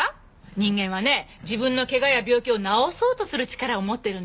人間はね自分の怪我や病気を治そうとする力を持ってるんですよ。